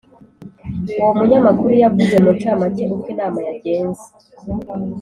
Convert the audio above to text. Uwo munyamakuru yavuze muncamake uko inama yagenze